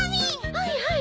はいはい。